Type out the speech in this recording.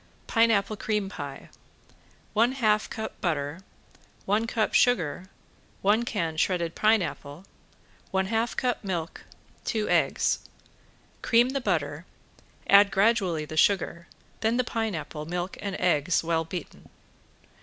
~PINEAPPLE CREAM PIE~ One half cup butter, one cup sugar, one can shredded pineapple, one half cup milk, two eggs. Cream the butter, add gradually the sugar, then the pineapple, milk and eggs well beaten.